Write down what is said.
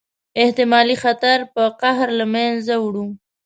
احتمالي خطر په قهر له منځه ووړ.